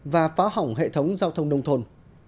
và phá hỏng hệ thống giao thông nông thôn